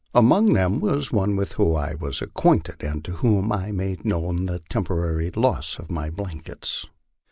Among them was one with whom I was . acquainted, and to whom I made known the temporary loss of my blankets.